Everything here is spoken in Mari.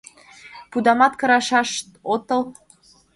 — Пудамат кырышаш отыл?